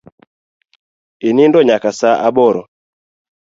Inindo nyaka saa aboro?